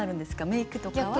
メイクとかは？